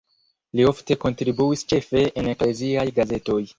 Li ofte kontribuis ĉefe en ekleziaj gazetoj.